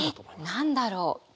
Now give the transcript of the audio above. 何だろう？